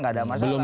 tidak ada masalah